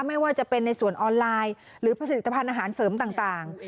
ไม่ว่าจะเป็นในส่วนออนไลน์หรือผลิตภัณฑ์อาหารเสริมต่าง